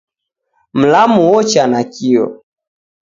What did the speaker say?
Mlamu wocha nakio